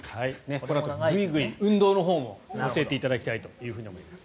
このあとグイグイ運動のほうも教えていただきたいと思います。